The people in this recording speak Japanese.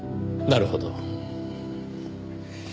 なるほど。